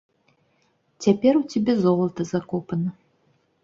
Цяпер у цябе золата закопана.